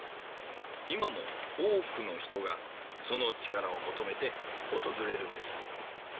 今も多くの人がその力を求めて訪れるんです。